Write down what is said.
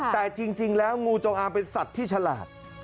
แต่จริงแล้วงูจงอางเป็นสัตว์ที่ฉลาด